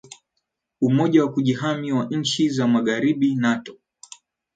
umoja wa kujihami wa nchi za magharibi nato